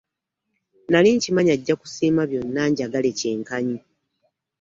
Nali nkimanyi ajja kusiima byonna anjagale kyenkanyi.